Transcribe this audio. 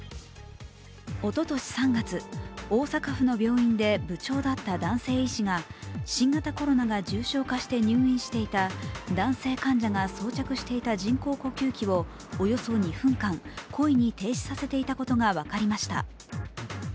おととし３月、大阪府の病院で部長だった男性医師が新型コロナが重症化して入院していた男性患者が装着していた人工呼吸器をおよそ２分間、故意に停止させていたことが分かりました。